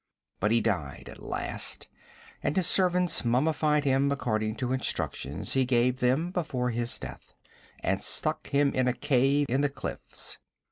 'But he died at last, and his servants mummified him according to instructions he gave them before his death, and stuck him in a cave in the cliffs.